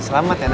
selamat ya naya